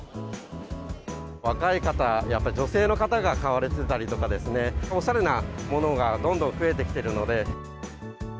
若い方、やっぱり女性の方が買われてたりとかですね、おしゃれなものがどんどん増えてきているので。